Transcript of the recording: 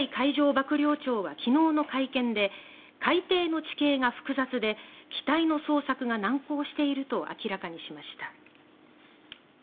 幕僚長は昨日の会見で海底の地形が複雑で機体の捜索が難航していると明らかにしました。